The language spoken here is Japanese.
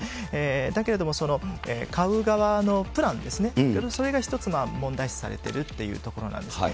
だけれども、買う側のプランですね、それが一つ、問題視されてるっていうところなんです。